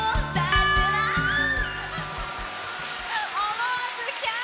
思わず、キャー。